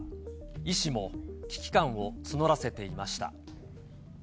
医師も危機感を募らせていました。